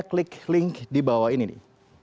klik link di bawah ini nih